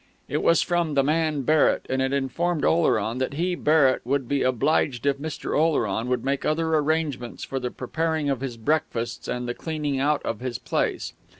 It was from the man Barrett, and it informed Oleron that he, Barrett, would be obliged if Mr. Oleron would make other arrangements for the preparing of his breakfasts and the cleaning out of his place.